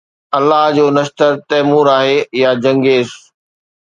الله جو نشتر تيمور آهي يا چنگيز